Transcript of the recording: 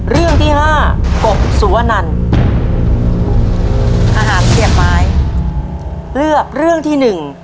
เรื่องที่ห้ากบสุวนันอาหารเสียบไม้เลือกเรื่องที่หนึ่ง